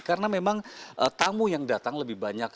karena memang tamu yang datang lebih banyak